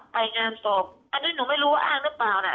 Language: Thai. ไปงานสอบอันนี้หนูไม่รู้ว่าอ้างหรือเปล่าน่ะ